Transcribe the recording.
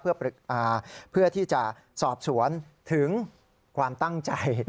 เพื่อที่จะสอบสวนถึงความตั้งใจ